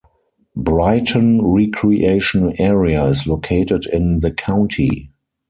Brighton Recreation Area is located in the county.